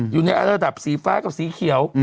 อยู่ในระดับสีฟ้ากับสีเขียว